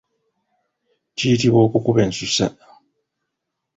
Kiyitibwa okukuba essunsa.